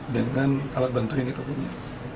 dengan alat bantuin kita punya